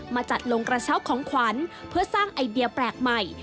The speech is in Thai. จัดลงกระเช้าของขวัญเพื่อสร้างไอเดียแปลกใหม่